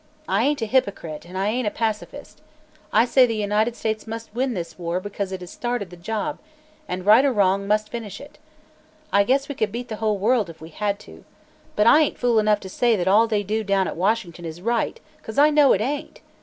I ain't a hypocrite, and I ain't a pacifist. I say the United States must win this war because it has started the job, and right or wrong, must finish it. I guess we could beat the whole world, if we had to. But I ain't fool enough to say that all they do down at Washington is right, 'cause I know it ain't.